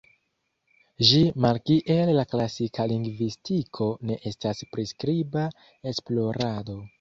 Ĝi malkiel la klasika lingvistiko ne estas priskriba esplorado.